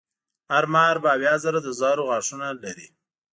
هر مار به اویا زره د زهرو غاښونه لري.